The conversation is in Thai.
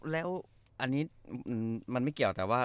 แล้วอันนี้มันไม่เกี่ยวแต่ว่า